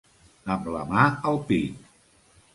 Amb la mà al pit.